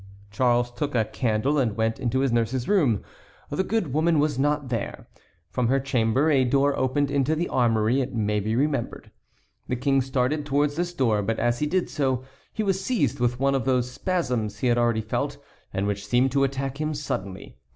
Charles took a candle and went into his nurse's room. The good woman was not there. From her chamber a door opened into the armory, it may be remembered. The King started towards this door, but as he did so he was seized with one of those spasms he had already felt, and which seemed to attack him suddenly.